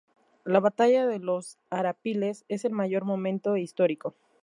La batalla de los Arapiles es el mayor momento histórico.